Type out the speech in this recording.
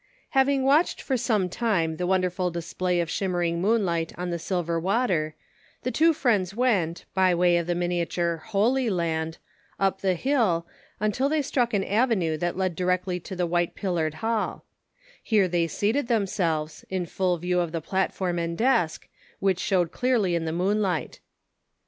HAVING watched for some time the wonder ful display of shimmering moonlight on the silver water, the two friends went, by way of the miniature " Holy Land " up the hill, until they struck an avenue that led directly to the white pil lared Hall, Here they seated themselves, in full view of the platform and desk, which showed clearly in the moonlight.